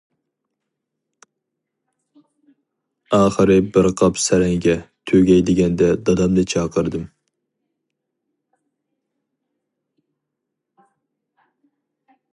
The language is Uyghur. ئاخىرى بىر قاپ سەرەڭگە تۈگەي دېگەندە دادامنى چاقىردىم.